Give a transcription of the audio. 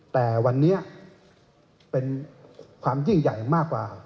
แต่วันนี้เป็นความยิ่งใหญ่มากกว่า